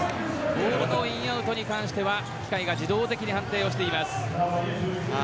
ボールのイン、アウトに関しては機械が自動的に判定しています。